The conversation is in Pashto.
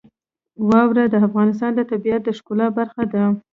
واوره د افغانستان د طبیعت د ښکلا برخه ده.